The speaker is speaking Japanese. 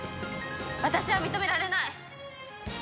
私は認められない！